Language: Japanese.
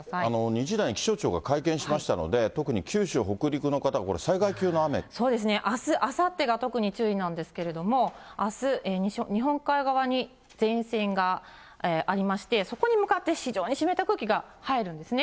２時台に気象庁が会見しましたので、特に九州、北陸の方、災あす、あさってが特に注意なんですけれども、あす、日本海側に前線がありまして、そこに向かって、非常に湿った空気が入るんですね。